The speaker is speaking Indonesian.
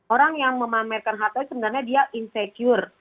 orang yang memamerkan harta itu sebenarnya dia insecure